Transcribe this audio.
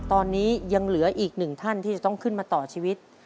ตอนนี้ยังเหลืออีกหนึ่งท่านที่จะต้องขึ้นมาต่อชีวิต